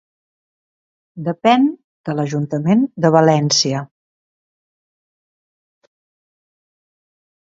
Depèn de l'Ajuntament de València.